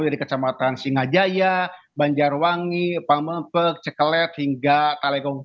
di kecamatan singajaya banjarwangi pamepeg ceklet hingga kalegong